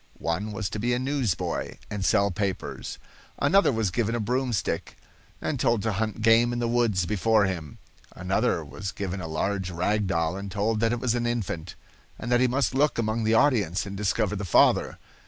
One was to be a newsboy, and sell papers. Another was given a broomstick and told to hunt game in the woods before him. Another was given a large rag doll and told that it was an infant, and that he must look among the audience and discover the father.